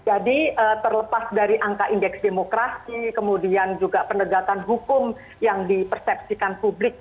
jadi terlepas dari angka indeks demokrasi kemudian juga penegakan hukum yang dipersepsikan publik